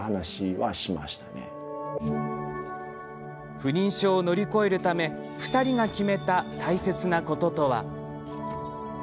不妊症を乗り越えるため２人が決めた大切なこととは。